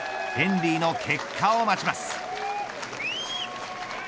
ヘンリーの結果を待ちます。